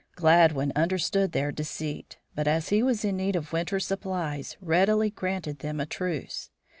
Gladwin understood their deceit, but as he was in need of winter supplies, readily granted them a truce.